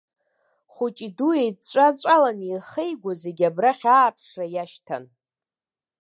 Хәыҷи-дуи еидҵәаҵәалан, еихеигәо, зегьы абрахь ааԥшра иашьҭан.